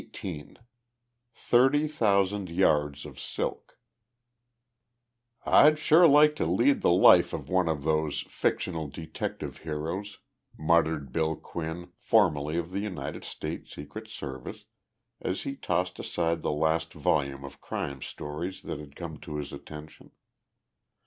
XVIII THIRTY THOUSAND YARDS OF SILK "I'd sure like to lead the life of one of those fictional detective heroes," muttered Bill Quinn, formerly of the United States Secret Service, as he tossed aside the latest volume of crime stories that had come to his attention.